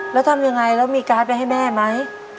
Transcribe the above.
แล้วทำยังไงแล้วมีการ์ดไปให้แม่ไหม